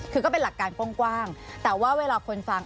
คือก็เป็นหลักการกว้างแต่ว่าเวลาคนฟัง